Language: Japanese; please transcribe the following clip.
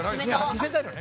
見せたいのね？